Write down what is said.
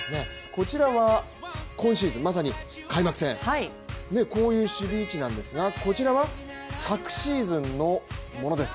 こちらは今シーズンまさに開幕戦、こういう守備位置なんですがこちらは昨シーズンのものです。